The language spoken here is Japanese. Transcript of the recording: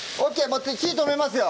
もう火止めますよ！